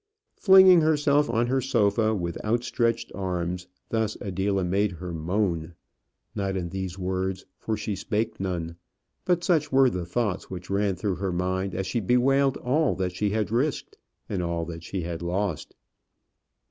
Flinging herself on her sofa with outstretched arms, thus Adela made her moan; not in these words, for she spake none: but such were the thoughts which ran through her mind as she bewailed all that she had risked and all that she had lost.